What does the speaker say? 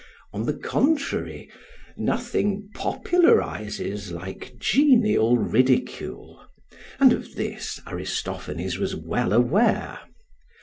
On the contrary, nothing popularises like genial ridicule; and of this Aristophanes was well aware.